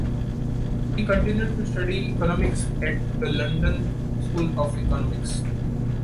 He continued to study economics at the London School of Economics.